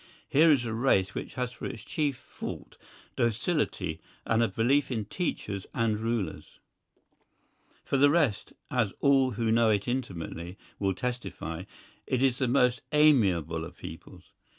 Here is a race which has for its chief fault docility and a belief in teachers and rulers. For the rest, as all who know it intimately will testify, it is the most amiable of peoples.